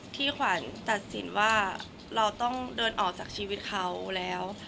ขวัญตัดสินว่าเราต้องเดินออกจากชีวิตเขาแล้ว